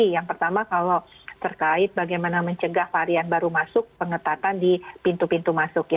yang pertama kalau terkait bagaimana mencegah varian baru masuk pengetatan di pintu pintu masuk